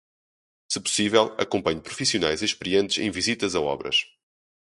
Se possível, acompanhe profissionais experientes em visitas a obras.